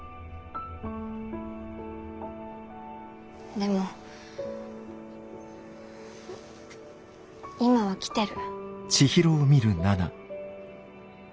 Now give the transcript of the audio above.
でも今は来てる。